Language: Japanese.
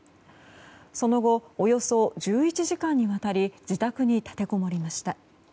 その後、およそ１１時間にわたり自宅に立てこもりました。